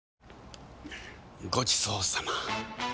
ごちそうさま！